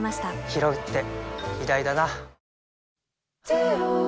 ひろうって偉大だな